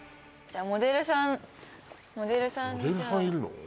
じゃあモデルさんモデルさんいるの？